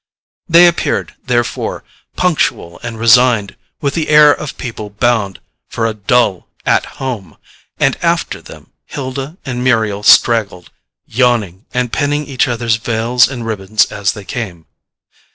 They appeared, therefore, punctual and resigned, with the air of people bound for a dull "At Home," and after them Hilda and Muriel straggled, yawning and pinning each other's veils and ribbons as they came.